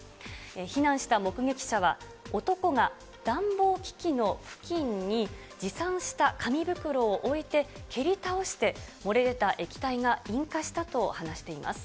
避難した目撃者は、男が暖房機器の付近に持参した紙袋を置いて、蹴り倒して、漏れ出た液体が引火したと話しています。